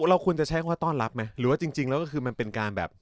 เราควรจะใช้คำว่าต้อนรับไหมหรือว่าจริงแล้วก็คือมันเป็นการแบบ